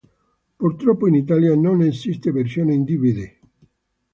Purtroppo in italia non esiste versione in Dvd.